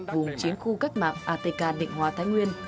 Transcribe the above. vùng chiến khu cách mạng atk định hóa thái nguyên